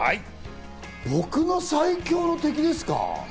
僕の最凶の敵ですか？